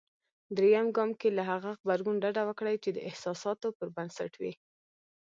درېم ګام کې له هغه غبرګون ډډه وکړئ. چې د احساساتو پر بنسټ وي.